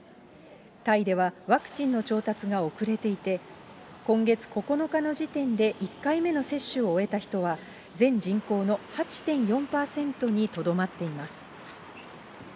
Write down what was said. タイではワクチンの調達が遅れていて、今月９日の時点で１回目の接種を終えた人は、全人口の８．４％にとどまっています。